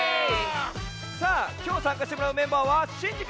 さあきょうさんかしてもらうメンバーはシンジくん！